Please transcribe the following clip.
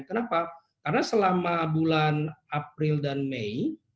kenapa karena selama bulan april dan mei